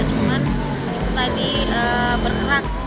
cuman itu tadi bergerak